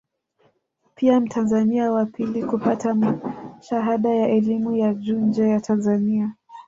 Pia mtanzania wa pili kupata shahada ya elimu ya juu nje ya Tanzania